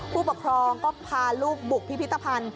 ผู้ปกครองก็พาลูกบุกพิพิธภัณฑ์